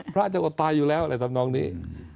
พระจะอดตายอยู่แล้วอะไรทำนองนี้